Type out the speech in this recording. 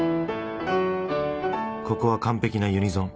ここは完ぺきなユニゾン。